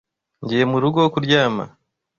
Ngiye murugo kuryama.